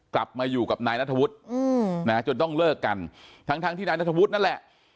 กลับมาอยู่กับนายนัทวุฒิจนต้องเลิกกันทั้งทั้งที่นายนัทธวุฒินั่นแหละ